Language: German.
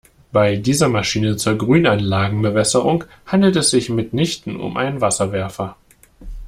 Bei dieser Maschine zur Grünanlagenbewässerung handelt es sich mitnichten um einen Wasserwerfer.